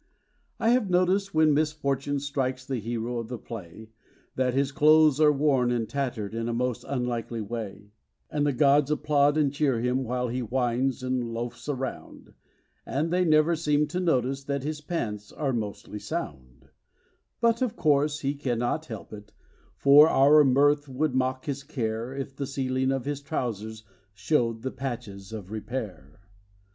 I have noticed when misfortune strikes the hero of the play That his clothes are worn and tattered in a most unlikely way ; And the gods applaud and cheer him while he whines and loafs around, But they never seem to notice that his pants are mostly sound ; Yet, of course, he cannot help it, for our mirth would mock his care If the ceiling of his trousers showed the patches of repair.